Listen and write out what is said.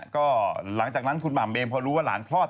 ก็หลังจากนั้นคุณหม่ำเองพอรู้ว่าหลานคลอด